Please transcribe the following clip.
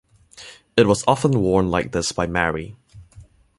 It was often worn like this by Mary.